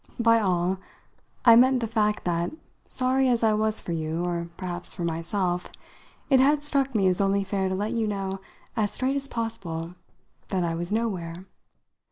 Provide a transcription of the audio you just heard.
By 'all' I meant the fact that, sorry as I was for you or perhaps for myself it had struck me as only fair to let you know as straight as possible that I was nowhere.